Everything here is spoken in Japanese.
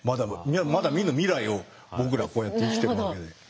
まだ見ぬ未来を僕らこうやって生きてるわけで。